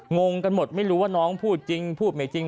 งงกันหมดไม่รู้ว่าน้องพูดจริงพูดไม่จริง